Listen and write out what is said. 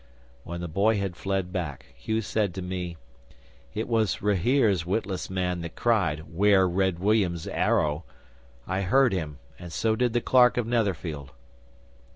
'When the boy had fled back, Hugh said to me: "It was Rahere's witless man that cried, ''Ware Red William's arrow!' I heard him, and so did the Clerk of Netherfield."